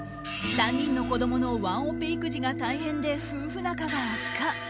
３人の子供のワンオペ育児が大変で夫婦仲が悪化。